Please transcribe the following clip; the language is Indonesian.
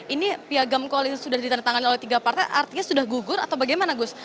ini piagam koalisi sudah ditandatangani oleh tiga partai artinya sudah gugur atau bagaimana gus